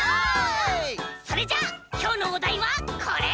それじゃあきょうのおだいはこれ！